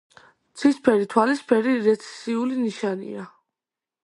ცისფერი თვალის ფერი რეცესიული ნიშანია.